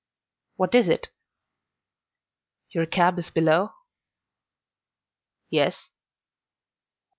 "What is it?" "Your cab is below?" "Yes.